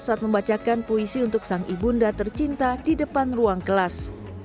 saat membacakan puisi untuk sang ibunda tercinta di depan ruang kelas